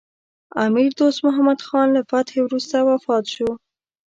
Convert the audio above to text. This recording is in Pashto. امیر دوست محمد خان له فتحې وروسته وفات شو.